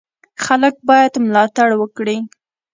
خلک باید ملاتړ وکړي.